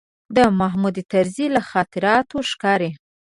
د محمود طرزي له خاطراتو ښکاري.